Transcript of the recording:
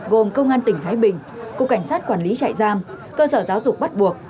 gồm công an tỉnh thái bình cục cảnh sát quản lý trại giam cơ sở giáo dục bắt buộc